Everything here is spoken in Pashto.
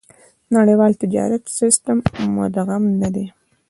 نړيوال تجارتي سېسټم مدغم نه دي.